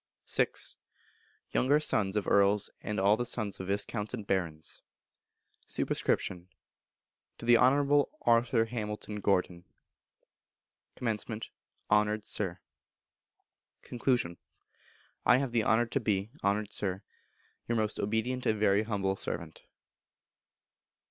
vi. Younger Sons of Earls, and all the Sons of Viscounts and Barons. Sup. To the Honourable Arthur Hamilton Gordon. Comm. Honoured Sir. Con. I have the honour to be, Honoured Sir, Your most obedient and very humble servant.